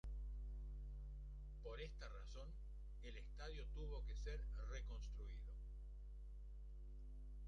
Por esta razón el estadio tuvo que ser reconstruido.